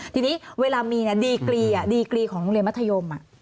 ทีนี้เวลามีดีกรีดีกรีของโรงเรียนมัธยม